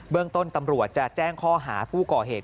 เรื่องต้นตำรวจจะแจ้งข้อหาผู้ก่อเหตุ